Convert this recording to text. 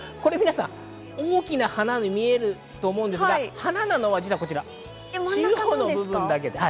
大きな花に見えると思うんですが、花なのは実はこちら、中央の部分だけです。